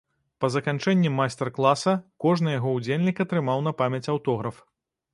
Па заканчэнні майстар-класа кожны яго ўдзельнік атрымаў на памяць аўтограф.